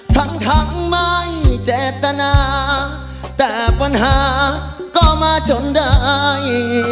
ทั้งทั้งไม่เจตนาแต่ปัญหาก็มาจนได้